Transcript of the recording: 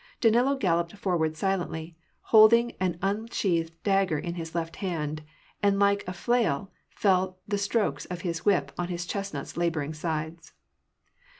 Danilo galloped forward silently, hold ing an unsheathed dagger in his left hand ; and like a nail fell the strokes of his whip on his chestnut's laboring sides.